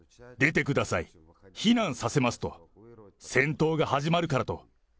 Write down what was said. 出てください、避難させますと、戦闘が始まるからと。